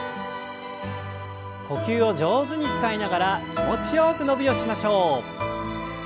呼吸を上手に使いながら気持ちよく伸びをしましょう。